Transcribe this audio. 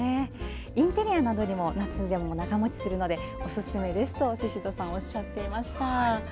インテリアなどにも夏でも長もちするのでおすすめですと宍戸さんおっしゃっていました。